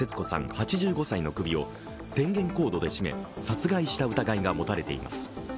８５歳の首を電源コードで絞め殺害した疑いが持たれています。